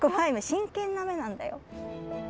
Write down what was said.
真剣な目なんだよ。